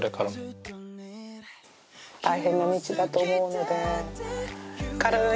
大変な道だと思うので。